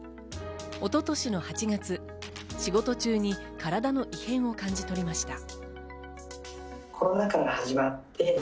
一昨年の８月、仕事中に体の異変を感じ取りました。